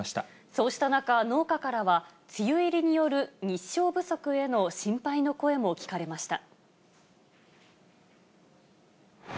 そうした中、農家からは、梅雨入りによる日照不足への心配の声も聞かれました。